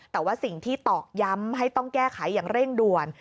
แต่ว่าสิ่งที่ตอกย้ำให้ต้องแก้ไขอย่างเร่งด่วน